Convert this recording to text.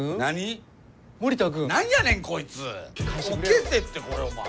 消せってこれお前。